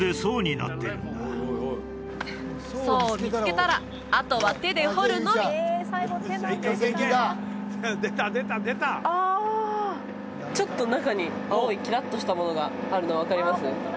層を見つけたらあとは手で掘るのみあちょっと中に青いキラッとしたものがあるの分かります？